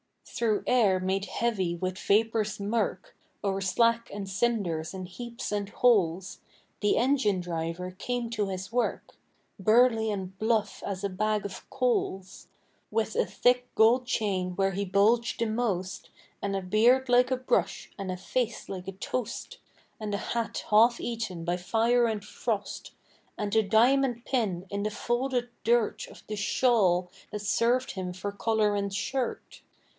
Through air made heavy with vapors murk, O'er slack and cinders in heaps and holes, The engine driver came to his work, Burly and bluff as a bag of coals; With a thick gold chain where he bulged the most, And a beard like a brush, and a face like a toast, And a hat half eaten by fire and frost; And a diamond pin in the folded dirt Of the shawl that served him for collar and shirt.